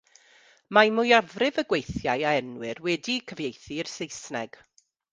Mae mwyafrif y gweithiau a enwir wedi'u cyfieithu i'r Saesneg.